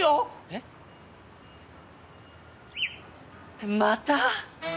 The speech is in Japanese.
えっ？また！？